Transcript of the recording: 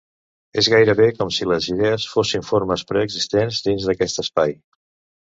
És gairebé com si les idees fossin formes preexistents dins d'aquest espai.